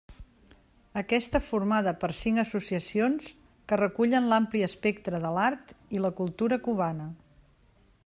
Aquesta formada per cinc associacions que recullen l'ampli espectre de l'art i la cultura cubana.